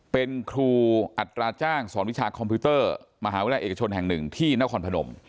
เป็นครูอัตราจ้างสอนวิชาคอมพิวเตอร์มหาวิทยาลัยเอกชนแห่งหนึ่งที่นครพนม